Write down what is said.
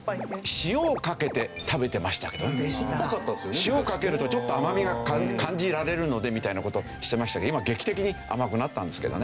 塩かけるとちょっと甘みが感じられるのでみたいな事してましたけど今劇的に甘くなったんですけどね。